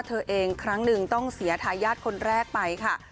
เธอเองครั้งหนึ่งต้องเสียทายาทคนแรกไปค่ะ